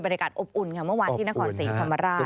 บริการอบอุ่นเมื่อวานที่นครศรีภรรรภ์ราช